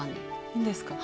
いいんですか？